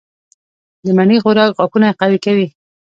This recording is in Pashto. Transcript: د مڼې خوراک غاښونه قوي کوي.